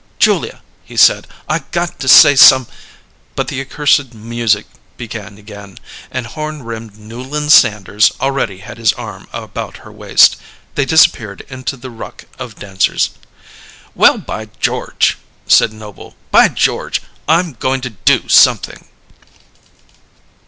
"Julia," he said. "I got to say some " But the accursed music began again, and horn rimmed Newland Sanders already had his arm about her waist. They disappeared into the ruck of dancers. "Well, by George!" said Noble. "By George, I'm goin' to do something!"